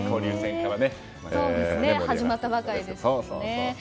始まったばかりですからね。